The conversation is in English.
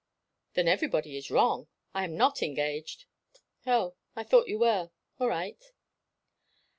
"Then everybody is wrong. I am not engaged." "Oh I thought you were. All right."